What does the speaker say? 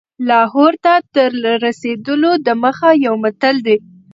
لاهور ته تر رسېدلو دمخه یو متل دی.